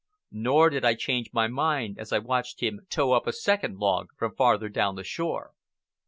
Nor did I change my mind as I watched him tow up a second log from farther down the shore.